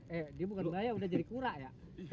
eh ini bukan bayak sudah jadi kurang ya